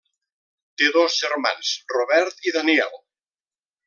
Té dos germans, Robert i Daniel.